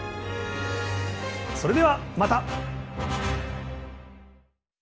それではまた！